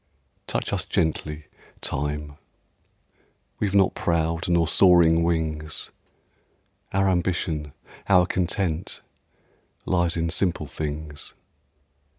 Touch us gently, Time! We've not proud nor soaring wings; Our ambition, our content, Lies in simple things.